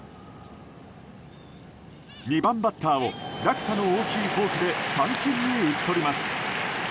２番バッターを落差の大きいフォークで三振に打ち取ります。